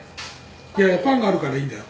いやいやパンがあるからいいんだよ」